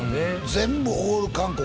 全部オール韓国